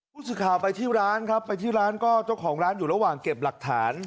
ผู้สื่อข่าวไปที่ร้านครับไปที่ร้านก็เจ้าของร้านอยู่ระหว่างเก็บหลักฐาน